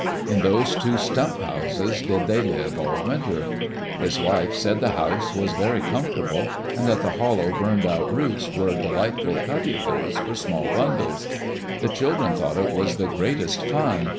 In those two stump houses did they live all winter. His wife said the "house'' was very comfortable, and that the hollow, burned out roots were delightful "cubby holes" for small bundles. The children thought it was the greatest fun.